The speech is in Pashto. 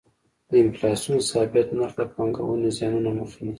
د انفلاسیون ثابت نرخ د پانګونې زیانونو مخه نیسي.